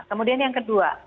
kemudian yang kedua